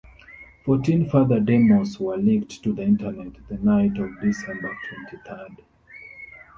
Fourteen further demos were leaked to the internet the night of December twenty-third.